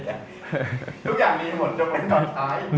ทุกอย่างมีหมดยกเว้นตอนท้าย